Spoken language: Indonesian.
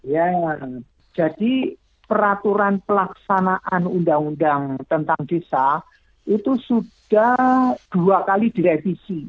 ya jadi peraturan pelaksanaan undang undang tentang desa itu sudah dua kali direvisi